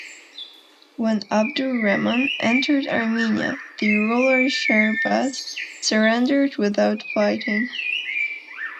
When 'Abdur Rehman entered Armenia, the ruler Shehrbaz surrendered without fighting.